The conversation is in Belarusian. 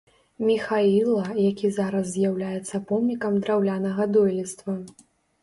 Міхаіла, які зараз з'яўляецца помнікам драўлянага дойлідства.